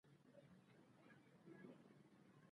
خلک د خبرو له لارې ستونزې حلوي